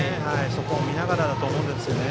そこを見ながらだと思うんですけどね。